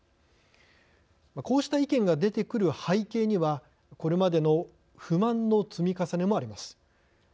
こうした意見が出てくる背景にはこれまでの不満の積み重ねもあります。